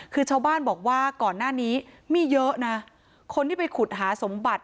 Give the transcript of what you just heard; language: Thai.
คือชาวบ้านบอกว่าก่อนหน้านี้มีเยอะนะคนที่ไปขุดหาสมบัติ